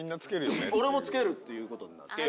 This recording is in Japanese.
俺もつけるっていうことになって。